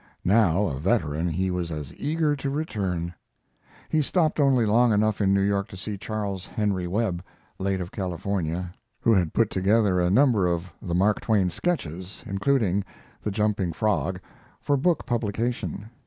Now a veteran, he was as eager to return. He stopped only long enough in New York to see Charles Henry Webb, late of California, who had put together a number of the Mark Twain sketches, including "The Jumping Frog," for book publication.